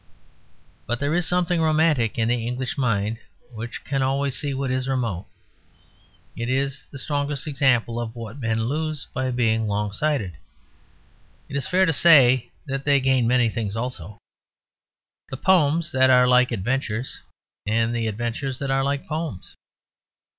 But there is something romantic in the English mind which can always see what is remote. It is the strongest example of what men lose by being long sighted. It is fair to say that they gain many things also, the poems that are like adventures and the adventures that are like poems.